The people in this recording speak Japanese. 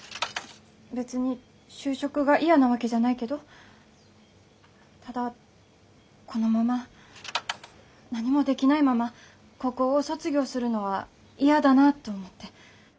別に就職が嫌なわけじゃないけどただこのまま何もできないまま高校を卒業するのは嫌だなと思って。